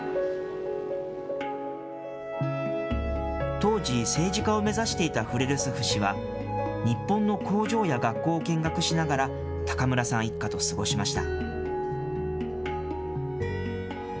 当時、政治家を目指していたフレルスフ氏は、日本の工場や学校を見学しながら、高村さん一家と過ごしました。